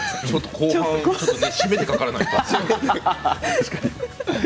後半、締めてかからないと。